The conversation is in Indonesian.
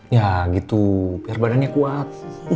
ya gitu biar badannya kuat